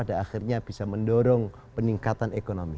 dan akhirnya bisa mendorong peningkatan ekonomi